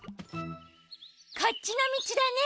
こっちのみちだね。